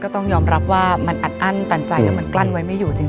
ต้องยอมรับว่ามันอัดอั้นตันใจแล้วมันกลั้นไว้ไม่อยู่จริง